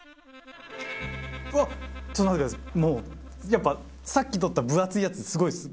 やっぱさっき取った分厚いやつすごいです！